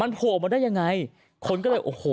โผล่มาได้ยังไงคนก็เลยโอ้โห